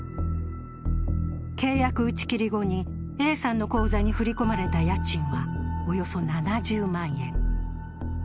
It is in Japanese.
契約打ち切り後にＡさんの口座に振り込まれた家賃はおよそ７０万円。